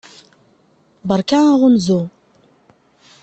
Beṛka aɣunzu!